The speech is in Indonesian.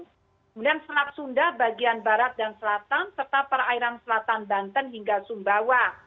kemudian selat sunda bagian barat dan selatan serta perairan selatan banten hingga sumbawa